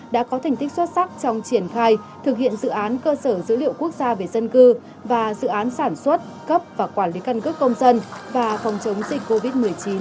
đã có thành tích xuất sắc trong triển khai thực hiện dự án cơ sở dữ liệu quốc gia về dân cư và dự án sản xuất cấp và quản lý căn cước công dân và phòng chống dịch covid một mươi chín